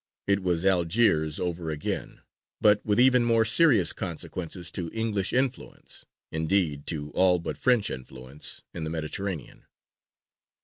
It was Algiers over again, but with even more serious consequences to English influence indeed to all but French influence in the Mediterranean.